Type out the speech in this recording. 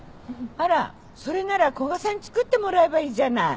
あらそれなら古賀さんに作ってもらえばいいじゃない。